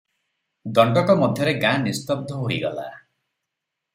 ଦଣ୍ତକ ମଧ୍ୟରେ ଗାଁ ନିସ୍ତବ୍ଧ ହୋଇଗଲା ।